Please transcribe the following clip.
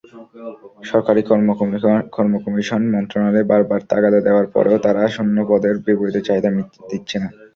সরকারি কর্মকমিশন মন্ত্রণালয়ে বারবার তাগাদা দেওয়ার পরেও তারা শূন্যপদের বিপরীতে চাহিদা দিচ্ছে না।